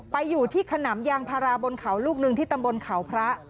ไปอยู่ที่ขนำยางพาราบนเขาลูกหนึ่งที่ตำบลเขาพระ